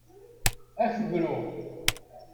Ad ak-bruɣ.